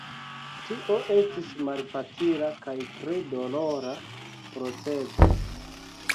Tio estis malfacila kaj tre dolora procezo.